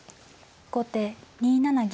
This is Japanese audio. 後手２七銀。